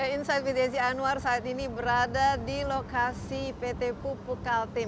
insight with desi anwar saat ini berada di lokasi pt pupuk kaltim